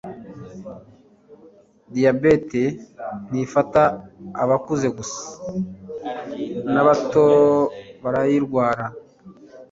diabete ntifata abakuze gusa nabatobarayirwara